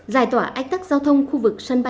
giải tỏa ách tắc giao thông khu vực sân bay